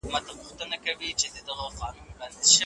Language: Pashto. د ځنګلونو له منځه تلل چاپېر یال ته زیان رسوي.